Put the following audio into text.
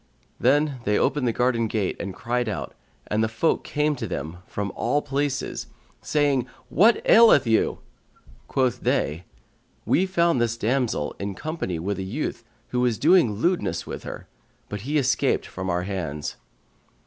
Then they opened the garden gate and cried out, and the folk came to them from all places, saying "What aileth you?" Quoth they, "We found this damsel in company with a youth who was doing lewdness with her; but he escaped from our hands."